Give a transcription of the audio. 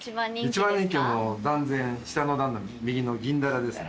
一番人気断然下の段の右のぎんだらですね。